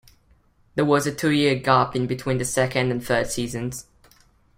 There was a two-year gap in between the second and third seasons.